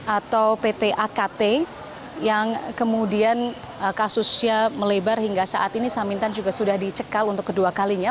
atau pt akt yang kemudian kasusnya melebar hingga saat ini samintan juga sudah dicekal untuk kedua kalinya